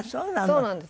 そうなんです。